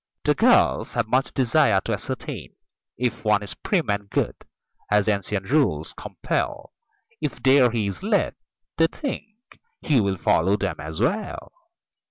The girls have much desire to ascertain If one is prim and good, as ancient rules compel: If there he's led, they think, he'll follow them as well.